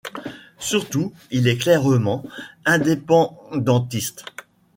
Surtout, il est clairement indépendantiste.